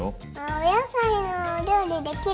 お野菜のお料理できる？